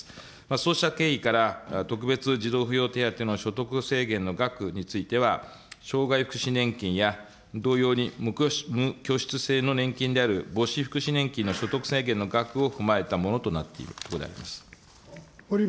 そうした経緯から、特別児童扶養手当の所得制限の額については、障害福祉年金や、同様に無拠出制の年金である母子福祉年金の所得制限の額を踏まえたものとなっているところであります。